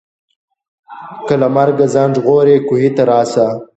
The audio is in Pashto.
که له مرګه ځان ژغورې کوهي ته راسه